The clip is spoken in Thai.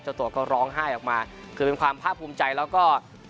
ตัวก็ร้องไห้ออกมาคือเป็นความภาคภูมิใจแล้วก็